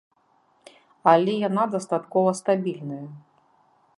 Але яна дастаткова стабільная.